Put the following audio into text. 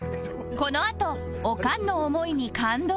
このあとオカンの思いに感動